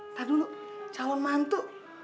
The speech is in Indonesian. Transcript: eh nanti dulu calon mantu